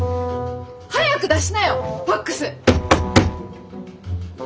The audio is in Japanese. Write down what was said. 早く出しなよファックス！